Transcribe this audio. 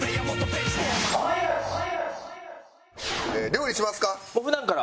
料理しますか？